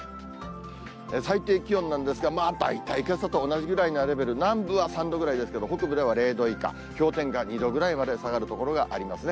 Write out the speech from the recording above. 最低気温なんですが、大体けさと同じぐらいなレベル、南部は３度ぐらいですけど、北部では０度以下、氷点下２度ぐらいまで下がる所がありますね。